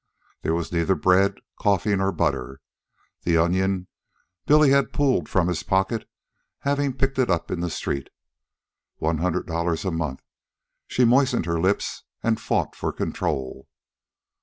There was neither bread, coffee, nor butter. The onion Billy had pulled from his pocket, having picked it up in the street. One hundred dollars a month! She moistened her lips and fought for control.